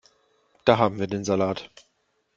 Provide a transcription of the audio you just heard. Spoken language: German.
Da haben wir den Salat.